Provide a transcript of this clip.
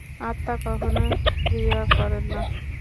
আত্মা কখনও ক্রিয়া করেন না।